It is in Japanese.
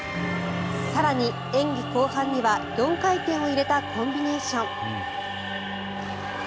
更に、演技後半には４回転を入れたコンビネーション。